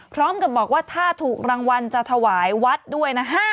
พร้อมกับบอกว่าถ้าถูกรางวัลจะถวายวัดด้วยนะ